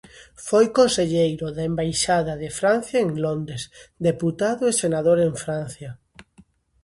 Foi conselleiro da embaixada de Francia en Londres, deputado e senador en Francia.